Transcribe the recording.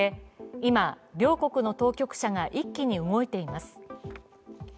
今、両国の当局者が一気に動いています。